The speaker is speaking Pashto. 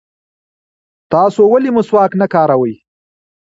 تاسې ولې مسواک نه کاروئ؟